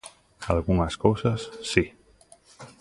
Algunhas cousas, si.